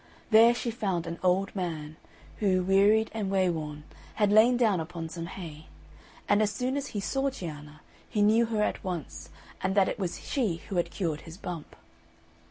There she found an old man, who, wearied and wayworn, had lain down upon some hay; and as soon as he saw Cianna, he knew her at once, and that it was she who had cured his bump.